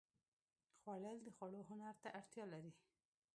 خوړل د خوړو هنر ته اړتیا لري